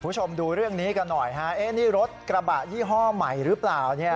คุณผู้ชมดูเรื่องนี้กันหน่อยฮะนี่รถกระบะยี่ห้อใหม่หรือเปล่าเนี่ย